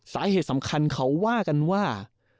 สาเหตุสำคัญเขาว่ากันว่า